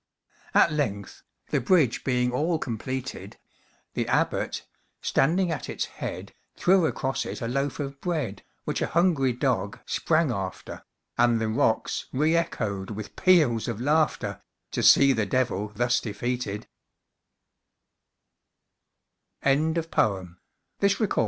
At length, the bridge being all completed, The Abbot, standing at its head, Threw across it a loaf of bread, Which a hungry dog sprang after; And the rocks re echoed with the peals of laughter, To see the Devil thus defeated!